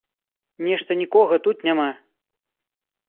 Нешта нікога тут няма!